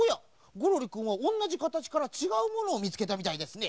ゴロリくんはおんなじかたちからちがうものをみつけたみたいですね。